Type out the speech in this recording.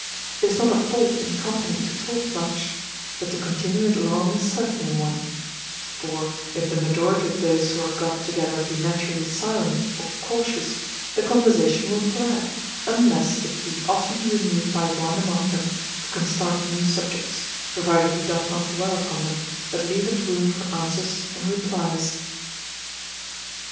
It is not a fault in company to talk much; but to continue it long is certainly one; for, if the majority of those who are got together be naturally silent or cautious, the conversation will flag, unless it be often renewed by one among them, who can start new subjects, provided he doth not dwell upon them, but leaveth room for answers and replies.